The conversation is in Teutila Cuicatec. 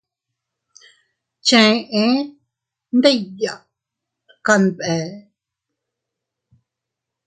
Cheʼe ndikya kanbee.